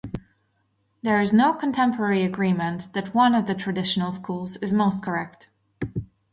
There is no contemporary agreement that one of the traditional schools is most correct.